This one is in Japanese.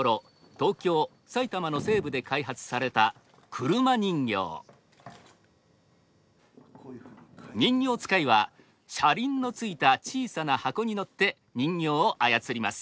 東京埼玉の西部で開発された人形遣いは車輪のついた小さな箱に乗って人形をあやつります。